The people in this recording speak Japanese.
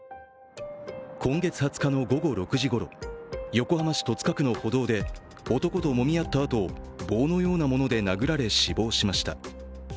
今月２０日の午後６時ごろ横浜市戸塚区の歩道で男ともみ合ったあと、棒のようなもので殴られ死亡しました。